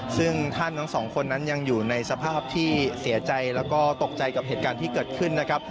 ซึ่งท่านทั้งสองคนนั้นยังอยู่ในสภาพที่เสียใจแล้วก็ตกใจกับเหตุการณ์ที่เกิดขึ้นนะครับ